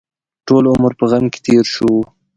ټول عمر په غم کې تېر شو.